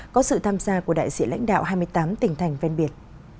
có sự tham gia của đại diện lãnh đạo hai mươi tám tỉnh thành ven biệt